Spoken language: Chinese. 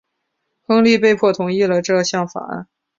亨利被迫同意了这项法案。